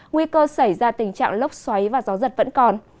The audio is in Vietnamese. nguy cơ xảy ra tình trạng lốc xoáy và gió giật vẫn còn